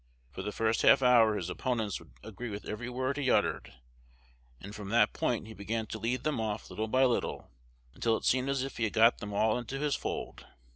For the first half hour his opponents would agree with every word he uttered; and from that point he began to lead them off little by little, until it seemed as if he had got them all into his fold.